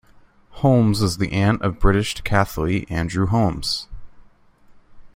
Holmes is the aunt of British decathlete, Andrew Holmes.